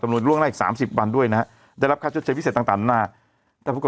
ทำงานครบ๒๐ปีได้เงินชดเฉยเลิกจ้างไม่น้อยกว่า๔๐๐วัน